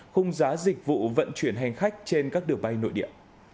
khung giá dịch vụ vận chuyển hành khách trên các đường bay nội địa